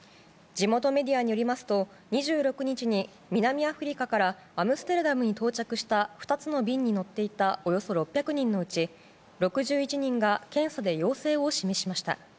地元メディアによりますと２６日に南アフリカからアムステルダムに到着した２つの便に乗っていたおよそ６００人のうち６１人が検査で陽性を示しました。